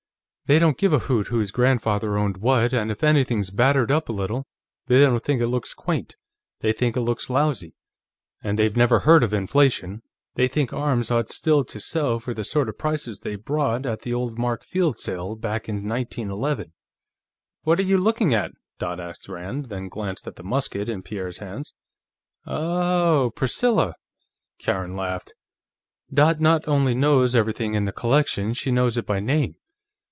"They don't give a hoot whose grandfather owned what, and if anything's battered up a little, they don't think it looks quaint, they think it looks lousy. And they've never heard of inflation; they think arms ought still to sell for the sort of prices they brought at the old Mark Field sale, back in 1911." "What were you looking at?" Dot asked Rand, then glanced at the musket in Pierre's hands. "Oh, Priscilla." Karen laughed. "Dot not only knows everything in the collection; she knows it by name.